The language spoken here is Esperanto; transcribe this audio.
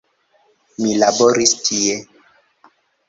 Mi laboris tie.